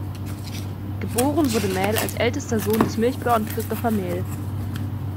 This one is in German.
Geboren wurde Mähl als ältester Sohn des Milchbauern Christoffer Mähl.